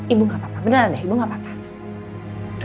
ibu nggak apa apa beneran deh ibu gak apa apa